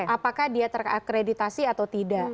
apakah dia terakreditasi atau tidak